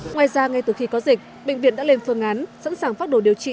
ngoài ra ngay từ khi có dịch bệnh viện đã lên phương án sẵn sàng phát đồ điều trị